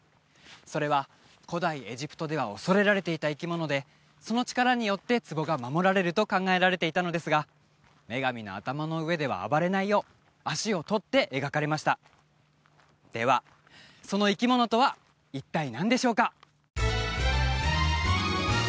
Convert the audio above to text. それは古代エジプトでは恐れられていた生き物でその力によって壺が守られると考えられていたのですが女神の頭の上では暴れないよう足を取って描かれましたではその生き物とは一体何でしょうか？